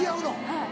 はい。